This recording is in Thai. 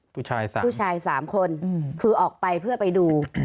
ผู้ชาย๓คือออกไปเพื่อไปดู